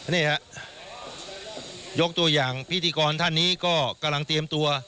นี่ฮะยกตัวอย่างพิธีกรท่านนี้ก็กำลังเตรียมตัว